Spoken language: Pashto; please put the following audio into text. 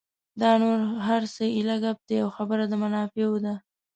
دا نور هر څه ایله ګپ دي او خبره د منافعو ده.